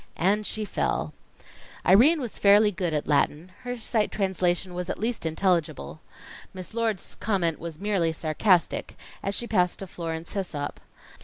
And she fell. Irene was fairly good at Latin her sight translation was at least intelligible. Miss Lord's comment was merely sarcastic, as she passed to Florence Hissop.